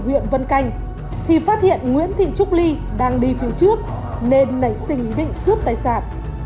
huyện vân canh thì phát hiện nguyễn thị trúc ly đang đi phía trước nên nảy sinh ý định cướp tài sản